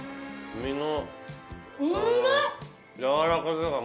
身の。